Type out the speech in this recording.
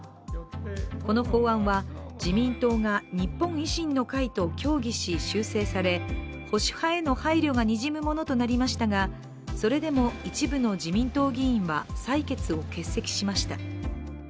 この法案は自民党が日本維新の会と協議し、修正され保守派への配慮がにじむものとなりましたがそれでも一部の自民党議員は採決を欠席しました。